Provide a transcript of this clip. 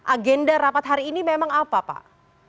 agenda rapat hari ini memang apa pak